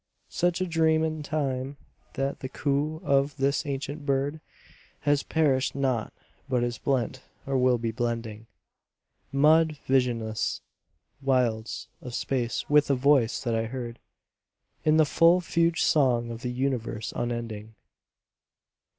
II Such a dream is Time that the coo of this ancient bird Has perished not, but is blent, or will be blending Mid visionless wilds of space with the voice that I heard, In the full fugued song of the universe unending.